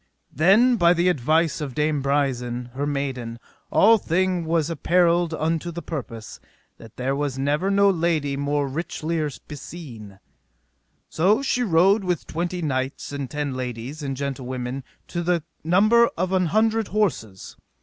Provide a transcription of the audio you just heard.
Then by the advice of Dame Brisen, her maiden, all thing was apparelled unto the purpose, that there was never no lady more richlier beseen. So she rode with twenty knights, and ten ladies, and gentlewomen, to the number of an hundred horses.